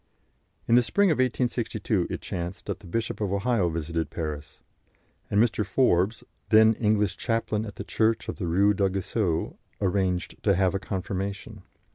In the spring of 1862 it chanced that the Bishop of Ohio visited Paris, and Mr. Forbes, then English chaplain at the Church of the Rue d'Aguesseau, arranged to have a confirmation.